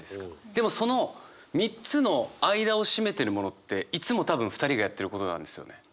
でもその３つの間を占めてるものっていつも多分２人がやってることなんですよね。